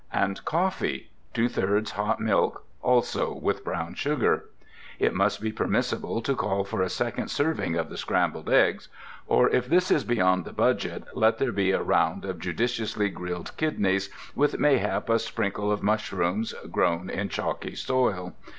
And coffee, two thirds hot milk, also with brown sugar. It must be permissible to call for a second serving of the scrambled eggs; or, if this is beyond the budget, let there be a round of judiciously grilled kidneys, with mayhap a sprinkle of mushrooms, grown in chalky soil.